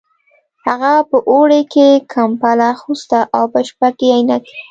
هغه په اوړي کې کمبله اغوسته او په شپه کې عینکې